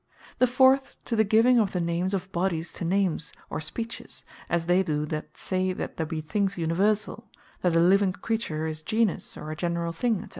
The fourth, to the giving of the names of Bodies, to Names, or Speeches; as they do that say, that There Be Things Universall; that A Living Creature Is Genus, or A Generall Thing, &c.